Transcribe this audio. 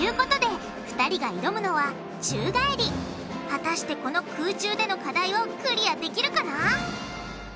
果たしてこの空中での課題をクリアできるかな？